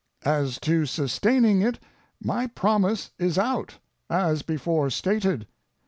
As to sustaining it, my promise is out, as before stated.